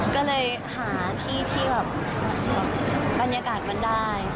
ก็เลยหาที่ที่แบบบรรยากาศมันได้